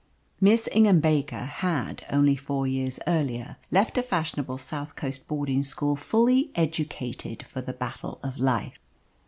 Miss Ingham Baker had, only four years earlier, left a fashionable South Coast boarding school fully educated for the battle of life.